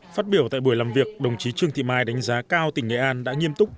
phát biểu tại buổi làm việc đồng chí trương thị mai đánh giá cao tỉnh nghệ an đã nghiêm túc